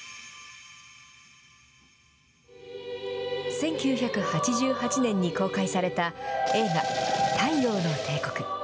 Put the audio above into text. １９８８年に公開された映画、太陽の帝国。